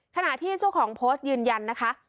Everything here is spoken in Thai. ขณะที่เจ้าของโพสต์ยืนยันนะคะ